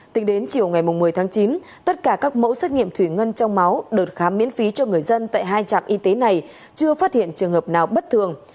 tính đến chiều ngày một mươi tháng chín tất cả các mẫu xét nghiệm thủy ngân trong máu đợt khám miễn phí cho người dân tại hai trạm y tế này chưa phát hiện trường hợp nào bất thường